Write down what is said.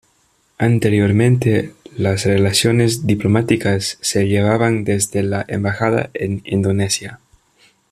Anteriormente, las relaciones diplomáticas se llevaban desde la Embajada en Indonesia.